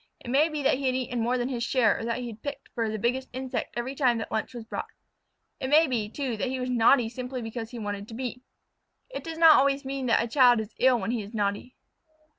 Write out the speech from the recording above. It may be that he had eaten more than his share or that he had picked for the biggest insect every time that lunch was brought. It may be, too, that he was naughty simply because he wanted to be. It does not always mean that a child is ill when he is naughty.